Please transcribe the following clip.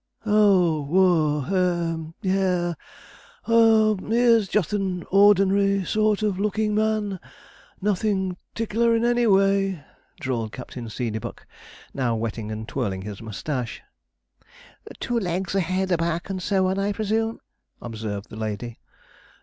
'Oh whoy ha hem haw he's just an ordinary sort of lookin' man nothin' 'tickler any way,' drawled Captain Seedeybuck, now wetting and twirling his moustache. 'Two legs, a head, a back, and so on, I presume,' observed the lady.